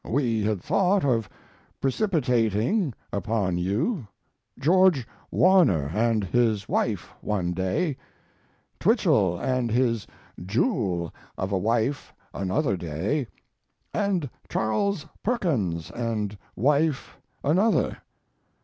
We had thought of precipitating upon you, George Warner and his wife one day, Twichell and his jewel of a wife another day, and Charles Perkins and wife another.